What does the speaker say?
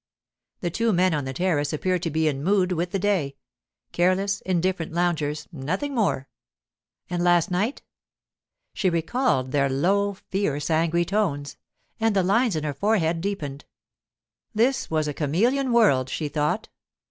The two men on the terrace appeared to be in mood with the day—careless, indifferent loungers, nothing more. And last night? She recalled their low, fierce, angry tones; and the lines in her forehead deepened. This was a chameleon world, she thought.